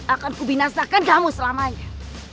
akan kubinasakan kamu selamanya